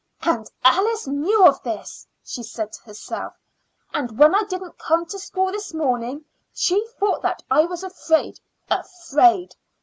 "And Alice knew of this," she said to herself; "and when I didn't come to school this morning she thought that I was afraid. Afraid!